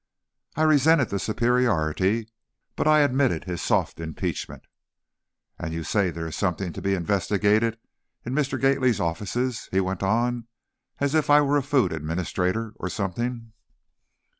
I resented the superiority, but I admitted his soft impeachment. "And you say there is something to be investigated in Mr. Gately's offices?" he went on, as if I were a Food Administrator, or something.